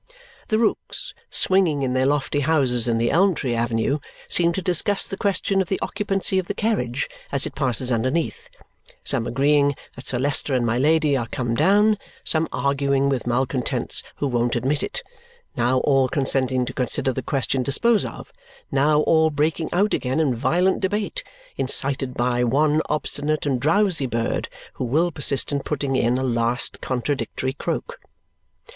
The rooks, swinging in their lofty houses in the elm tree avenue, seem to discuss the question of the occupancy of the carriage as it passes underneath, some agreeing that Sir Leicester and my Lady are come down, some arguing with malcontents who won't admit it, now all consenting to consider the question disposed of, now all breaking out again in violent debate, incited by one obstinate and drowsy bird who will persist in putting in a last contradictory croak.